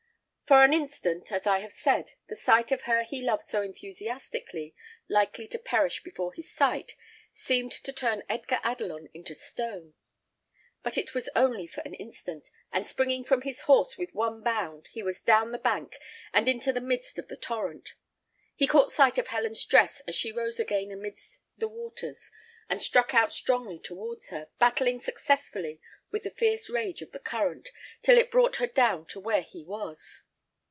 For an instant, as I have said, the sight of her he loved so enthusiastically, likely to perish before his sight, seemed to turn Edgar Adelon into stone; but it was only for an instant, and springing from his horse with one bound, he was down the bank, and into the midst of the torrent. He caught sight of Helen's dress as she rose again amidst the waters, and struck out strongly towards her, battling successfully with the fierce rage of the current, till it brought her down to where he was.